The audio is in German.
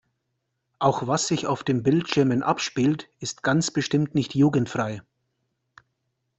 Auch was sich auf den Bildschirmen abspielt, ist ganz bestimmt nicht jugendfrei.